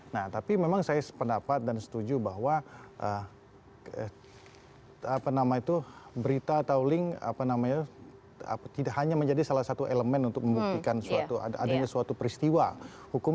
nah tapi memang saya sependapat dan setuju bahwa itu berita atau link tidak hanya menjadi salah satu elemen untuk membuktikan adanya suatu peristiwa hukum